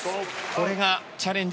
これがチャレンジ